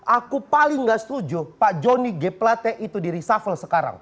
aku paling gak setuju pak joni g pelate itu di resuffle sekarang